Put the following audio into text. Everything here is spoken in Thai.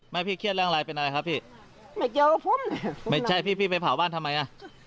ไม่พี่เครียดเรื่องอะไรเป็นอะไรครับพี่ไม่เกี่ยวกับผมไม่ใช่พี่พี่ไปเผาบ้านทำไมอ่ะ